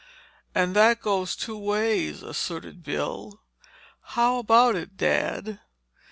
"And that goes two ways," asserted Bill. "How about it, Dad?"